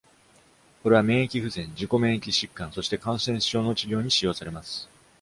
これは、免疫不全、自己免疫疾患、そして感染症の治療に使用されます。